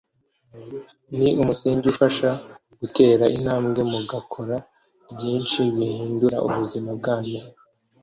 ni umusingi ubafasha gutera intambwe mu gakora byinshi bihindura ubuzima bwanyu